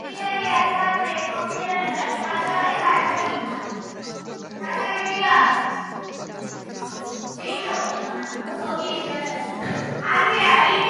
ასევე იგი ხელმძღვანელობდა ატომურ ცენტრს ინდოეთში.